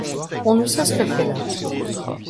On ne sait ce qu’elle fait là.